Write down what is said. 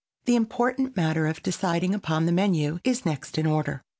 The important matter of deciding upon the menu is next in order.